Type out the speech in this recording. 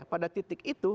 pada titik itu